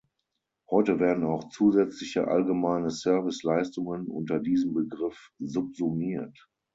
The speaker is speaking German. Heute werden auch zusätzliche allgemeine Serviceleistungen unter diesem Begriff subsumiert.